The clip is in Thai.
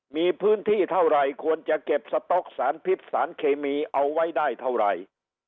มีพื้นที่เท่าไหร่ควรจะเก็บสต๊อกสารพิษสารเคมีเอาไว้ได้เท่าไหร่